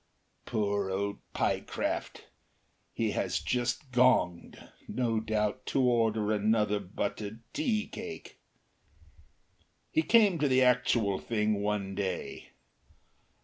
Poor old Pyecraft! He has just gonged, no doubt to order another buttered tea cake! He came to the actual thing one day.